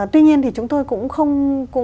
tuy nhiên thì chúng tôi cũng không